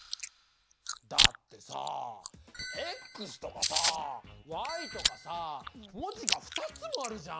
だってさとかさとかさ文字が２つもあるじゃん。